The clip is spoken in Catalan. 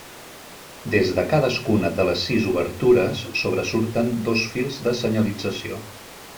Des de cadascuna de les sis obertures sobresurten dos fils de senyalització.